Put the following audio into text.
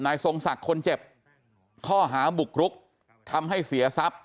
ทรงศักดิ์คนเจ็บข้อหาบุกรุกทำให้เสียทรัพย์